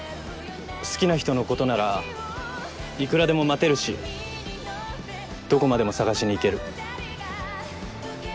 好きな人のことならいくらでも待てるしどこまでも捜しに行ける。